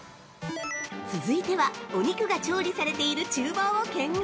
◆続いては、お肉が調理されている厨房を見学。